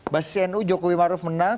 basi nu jokowi maruf menang